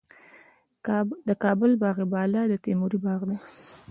د کابل باغ بالا د تیموري باغ دی